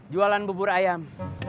jualan bubur ayam